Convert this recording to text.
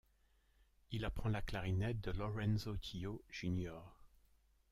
Il apprend la clarinette de Lorenzo Tio, Jr.